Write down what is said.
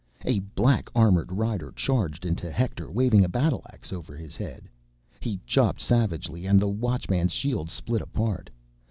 A black armored rider charged into Hector, waving a battle ax over his head. He chopped savagely, and the Watchman's shield split apart.